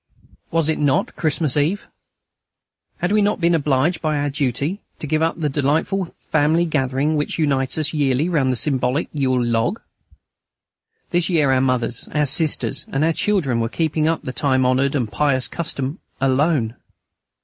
Was it not Christmas Eve? Had we not been obliged by our duty to give up the delightful family gathering which reunites us yearly around the symbolic Yule log? This year our mothers, our sisters, and our children were keeping up the time honoured and pious custom alone.